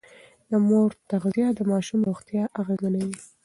د مور تغذيه د ماشوم روغتيا اغېزمنوي.